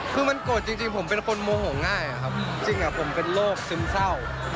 คือมันโกรธจริงผมเป็นคนโมโหง่ายครับจริงผมเป็นโรคซึมเศร้า